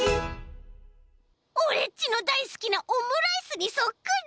オレっちのだいすきなオムライスにそっくり！